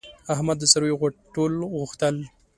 احمد د څارویو غټول غوښتل.